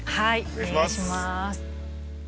お願いします。